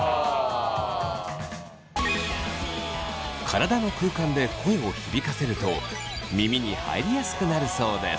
体の空間で声を響かせると耳に入りやすくなるそうです。